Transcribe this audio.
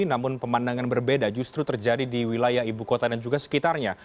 namun pemandangan berbeda justru terjadi di wilayah ibu kota dan juga sekitarnya